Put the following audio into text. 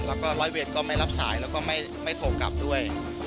แล้วก็ร้อยเวรก็ไม่รับสายแล้วก็ไม่โทรกลับด้วย